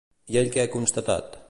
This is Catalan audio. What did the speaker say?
I ell què ha constatat?